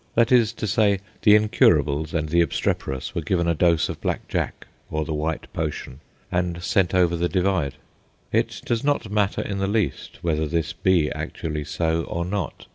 That is to say, the incurables and the obstreperous were given a dose of "black jack" or the "white potion," and sent over the divide. It does not matter in the least whether this be actually so or not.